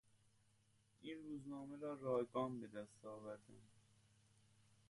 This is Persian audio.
این روزنامه را رایگان به دست آوردم.